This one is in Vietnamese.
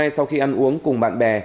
sau khi ăn uống cùng bạn bè